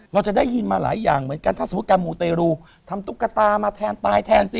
เราจะได้ยินมาหลายอย่างเหมือนกันถ้าสมมุติการมูเตรูทำตุ๊กตามาแทนตายแทนสิ